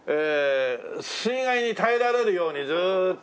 水害に耐えられるようにずーっと。